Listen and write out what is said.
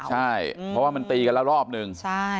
ใช่เพราะว่ามันตีกันแล้วรอบหนึ่ง